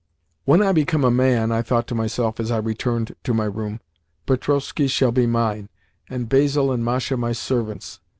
"When I become a man," I thought to myself as I returned to my room, "Petrovskoe shall be mine, and Basil and Masha my servants.